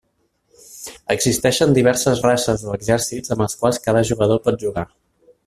Existeixen diverses races o exèrcits amb els quals cada jugador pot jugar.